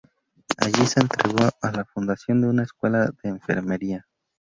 Allí se entregó a la fundación de una escuela de enfermería.